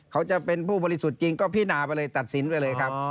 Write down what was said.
เขาจะเป็นผู้บริสุทธิ์จริงก็พินาไปเลยตัดสินไปเลยครับ